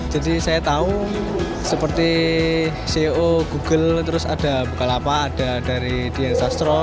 jadi saya tahu seperti ceo google terus ada bukalapak ada dari dian sastro